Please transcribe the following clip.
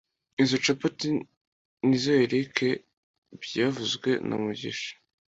Izoi capeti ni izoa Eric byavuzwe na mugisha